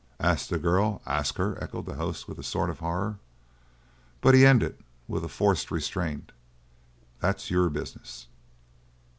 "Ask the girl? Ask her?" echoed the host with a sort of horror. But he ended with a forced restraint: "That's your business."